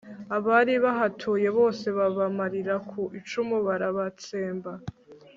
abari bahatuye bose babamarira ku icumu barabatsemba